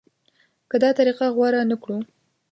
که دا طریقه غوره نه کړو.